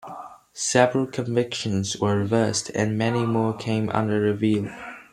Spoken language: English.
Several convictions were reversed, and many more came under review.